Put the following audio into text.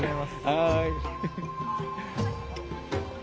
はい。